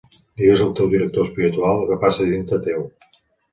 Digues al teu director espiritual el que passa dintre teu.